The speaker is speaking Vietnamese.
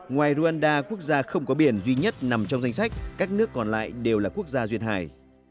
ngoài rwanda quốc gia không có biển duy nhất nằm trong danh sách các nước còn lại đều là quốc gia duyên hài